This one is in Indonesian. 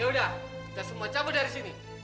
yaudah kita semua cabut dari sini